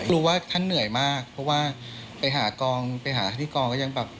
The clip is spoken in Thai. รู้ว่าท่านเหนื่อยมากเพราะว่าไปหาที่กองยังแบบ